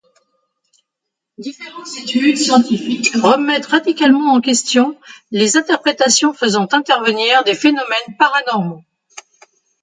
Différentes études scientifiques remettent radicalement en question les interprétations faisant intervenir des phénomènes paranormaux.